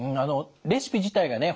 レシピ自体がね